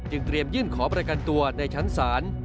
จึงเตรียมยื่นขอบริกันตัวในชั้นสาร